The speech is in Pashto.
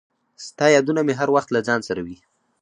• ستا یادونه مې هر وخت له ځان سره وي.